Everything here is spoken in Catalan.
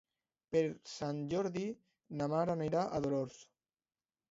Per Sant Jordi na Mar anirà a Dolors.